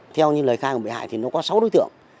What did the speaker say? theo lời khai của người bị hại nó có sáu đối tượng